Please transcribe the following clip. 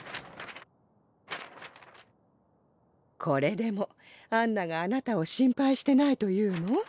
これでもアンナがあなたを心配してないと言うの？